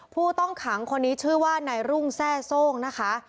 ผู้ต้องขังคนนี้ชื่อว่านายรุ่งแทร่โซ่งนะคะ